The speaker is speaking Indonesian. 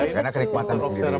karena kerikmatan sendiri